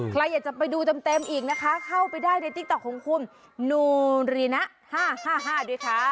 ใครอยากจะไปดูเต็มอีกนะคะเข้าไปได้ในติ๊กต๊อกของคุณนูรีนะ๕๕ด้วยค่ะ